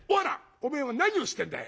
おめえは何をしてんだい！